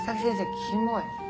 キモい。